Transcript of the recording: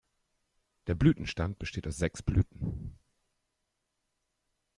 Der Blütenstand besteht aus sechs Blüten.